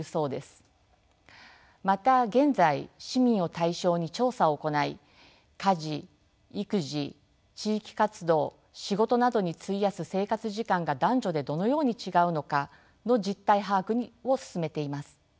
また現在市民を対象に調査を行い家事育児地域活動仕事などに費やす生活時間が男女でどのように違うのかの実態把握を進めています。